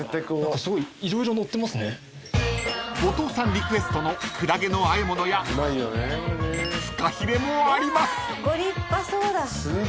リクエストのクラゲの和え物やフカヒレもあります］